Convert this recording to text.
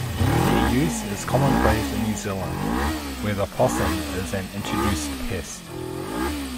Their use is commonplace in New Zealand, where the possum is an introduced pest.